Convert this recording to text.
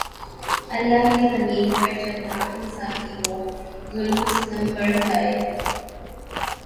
اللہ کی زمین پر جب ناانصافی ہو ، ظلم و ستم بڑھ جائے